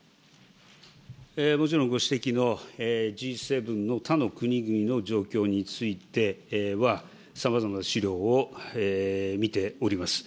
もちろんご指摘の、Ｇ７の他の国々の状況については、さまざまな資料を見ております。